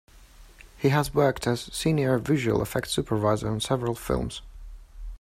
He has worked as senior visual effects supervisor on several films.